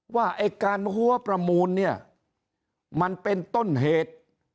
ว่าไอ้การหัวประมูลเนี่ยมันเป็นต้นเหตุ